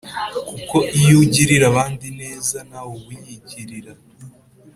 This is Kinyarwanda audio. kuko iyo ugirira abandi ineza, nawe uba uyigirira.